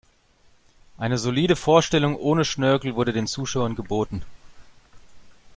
Eine solide Vorstellung ohne Schnörkel wurde den Zuschauern geboten.